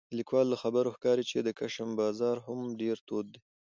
د لیکوال له خبرو ښکاري چې د کشم بازار هم ډېر تود دی